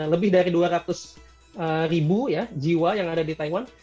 lebih dari dua ratus ribu jiwa yang ada di taiwan